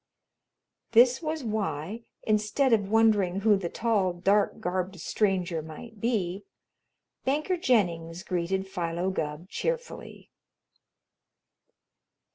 This was why, instead of wondering who the tall, dark garbed stranger might be, Banker Jennings greeted Philo Gubb cheerfully.